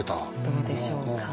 どうでしょうか。